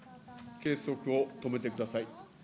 計測を止めてください。